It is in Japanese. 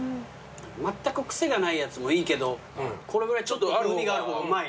まったく癖がないやつもいいけどこれぐらいちょっと風味があるとうまいな。